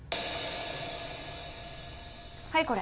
はいこれ。